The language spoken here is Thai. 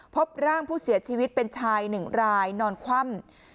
พบร่างผู้เสียชีวิตเป็นชาย๑รายนอนคว่ำ